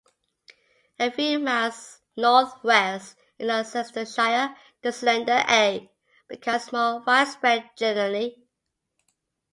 A few miles northwest in Leicestershire the slender "a" becomes more widespread generally.